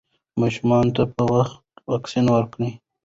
ماشومانو ته په وخت واکسین ورکړئ.